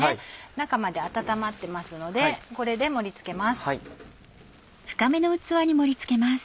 中まで温まってますのでこれで盛り付けます。